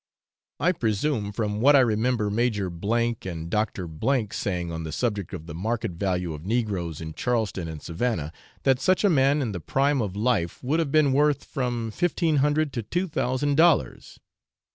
I presume, from what I remember Major M and Dr. H saying on the subject of the market value of negroes in Charleston and Savannah, that such a man in the prime of life would have been worth from 1,500 to 2,000 dollars.